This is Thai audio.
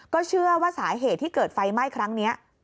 ก็เชื่อว่าสาเหตุที่เกิดไฟไหม้ครั้งนี้